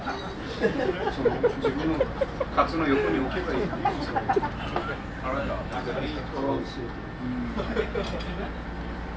カツの横に置けばいい。